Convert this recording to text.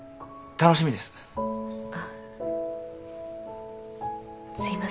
あっすいません。